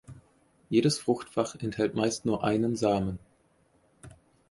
Jedes Fruchtfach enthält meist nur einen Samen.